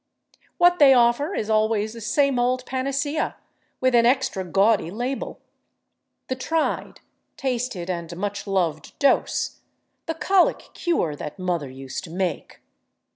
What they offer is always the same old panacea with an extra gaudy label—the tried, tasted and much loved dose, the colic cure that mother used to make.